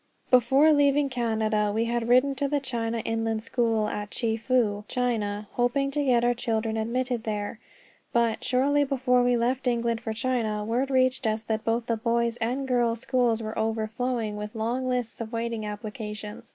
Before leaving Canada we had written to the China Inland School at Chefoo, China, hoping to get our children admitted there; but, shortly before we left England for China, word reached us that both the boys' and girls' schools were overflowing, with long lists of waiting applicants.